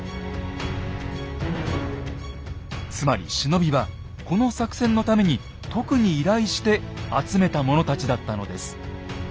つまり忍びはこの作戦のために特に依頼して集めた者たちだったのです。